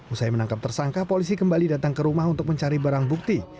usai menangkap tersangka polisi kembali datang ke rumah untuk mencari barang bukti